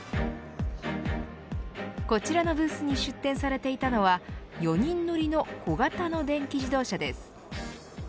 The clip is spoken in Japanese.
こちらのブースに出展されていたのは４人乗りの小型の電気自動車です。